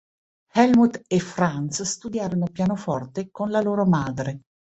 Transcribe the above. Helmut e Franz studiarono pianoforte con la loro madre.